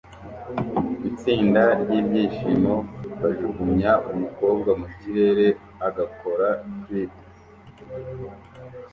Itsinda ryibyishimo bajugunya umukobwa mukirere agakora flip